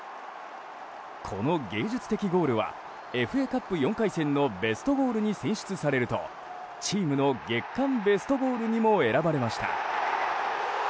この芸術的ゴールはＦＡカップ４回戦のベストゴールに選出されるとチームの月間ベストゴールにも選ばれました。